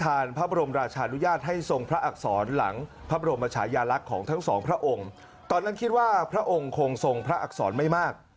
พระบรมราชานุญาตให้ทรงพระอักษรหลังพระบรมชายาลักษณ์ของทั้งสองพระองค์ตอนนั้นคิดว่าพระองค์คงทรงพระอักษรไม่มาก